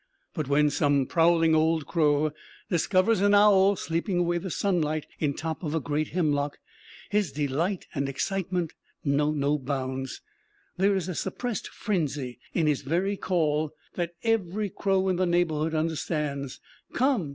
But when some prowling old crow discovers an owl sleeping away the sunlight in the top of a great hemlock, his delight and excitement know no bounds. There is a suppressed frenzy in his very call that every crow in the neighborhood understands. _Come!